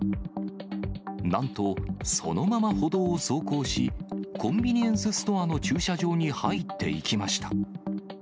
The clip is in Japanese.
なんと、そのまま歩道を走行し、コンビニエンスストアの駐車場に入っていきました。